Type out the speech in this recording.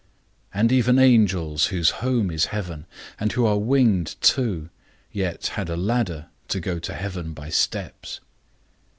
And even angels, whose home is heaven, and who are winged too, yet had a ladder to go to heaven by steps.